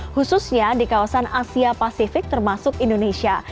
khususnya di kawasan asia pasifik termasuk indonesia